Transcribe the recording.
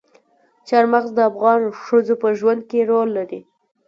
چار مغز د افغان ښځو په ژوند کې رول لري.